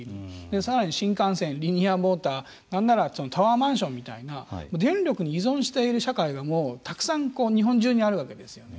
さらに新幹線、リニアモーターなんならタワーマンションみたいな電力に依存している社会がたくさん日本中にあるわけですよね。